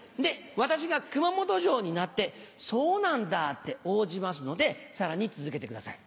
私が熊本城になって、そうなんだって応じますので、さらに続けてください。